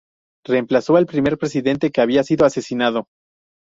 Reemplazó al primer presidente que había sido asesinado.